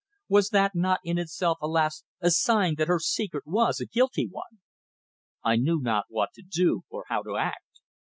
Was that not in itself, alas! a sign that her secret was a guilty one? I knew not what to do, or how to act.